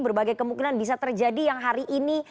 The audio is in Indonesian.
berbagai kemungkinan bisa terjadi yang hari ini